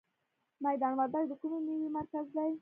میدان وردګ د کومې میوې مرکز دی؟